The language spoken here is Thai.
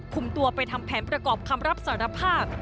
คุมตัวไปทำแผนประกอบคำรับสารภาพ